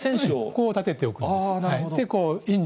こう立てておくんです。